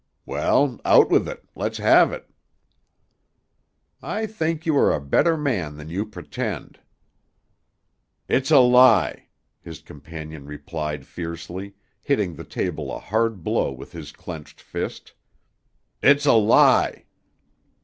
"Well, out with it. Let's have it." "I think you are a better man than you pretend." "It's a lie!" his companion replied fiercely, hitting the table a hard blow with his clenched fist. "It's a lie!"